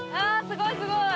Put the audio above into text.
すごいすごい！